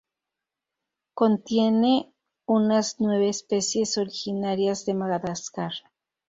Contiene unas nueve especies originarias de Madagascar.